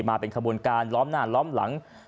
มาเป็นขบวนการล้อมหน้าล้อมหลัง